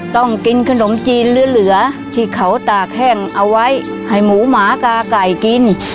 ต้องกินขนมจีนหรือเหลือที่เขาตากแห้งเอาไว้ให้หมูหมากาไก่กิน